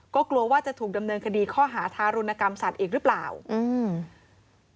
ก็กลัวว่าจะถูกดำเนินคดีข้อหาทารุณกรรมสัตว์อีกหรือเปล่าอืม